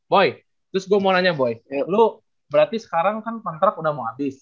boy terus gue mau nanya boy lo berarti sekarang kan kontrak udah mau habis